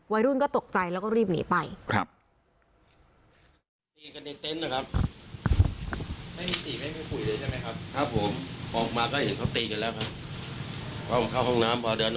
วัยรุ่นก็ตกใจแล้วก็รีบหนีไป